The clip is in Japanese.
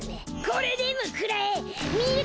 これでもくらえ！